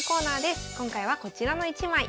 今回はこちらの一枚。